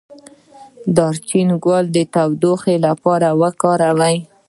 د دارچینی ګل د تودوخې لپاره وکاروئ